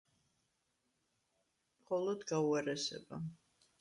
მხოლოდ გაუარესება